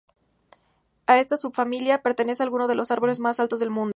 A esta subfamilia pertenecen algunos de los árboles más altos del mundo.